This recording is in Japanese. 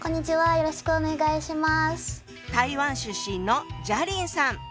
よろしくお願いします。